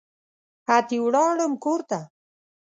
اتي ولاړم کورته